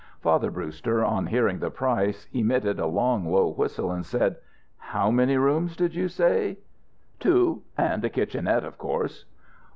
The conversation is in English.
Father Brewster, on hearing the price, emitted a long low whistle and said: "How many rooms did you say?" Two and a kitchenette, of course."